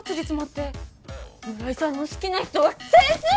辻褄って村井さんの好きな人は先生！